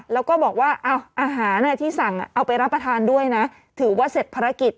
แล้วก็บอกว่าอาหารที่สั่งเอาไปรับประทานด้วยนะถือว่าเสร็จภารกิจ